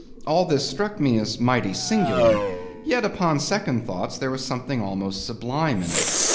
All this struck me as mighty singular; yet, upon second thoughts, there was something almost sublime in it.